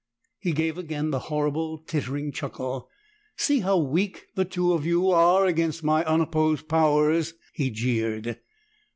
He gave again the horrible tittering chuckle. "See how weak the two of you are against my unopposed powers!" he jeered.